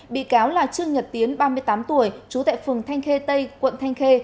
bị cáo là trương nhật tiến ba mươi tám tuổi trú tại phường thanh khê tây quận thanh khê